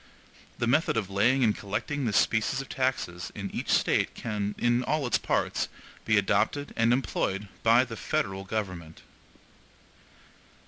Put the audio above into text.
The method of laying and collecting this species of taxes in each State can, in all its parts, be adopted and employed by the federal government.